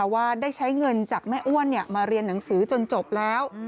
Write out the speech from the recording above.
ว่าได้ใช้เงินจากแม่อ้วนมาเรียนหนังสือจนจบแล้ว